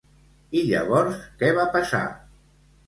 I llavors què va passar?